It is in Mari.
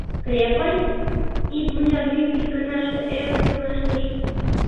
— Крепость? — икмыняр йӱк иканаште ӧрын пелештыш.